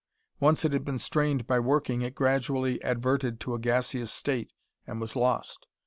Once it had been strained by working, it gradually adverted to a gaseous state and was lost.